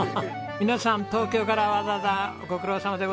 皆さん東京からわざわざご苦労さまでございます。